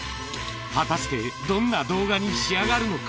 果たしてどんな動画に仕上がるのか。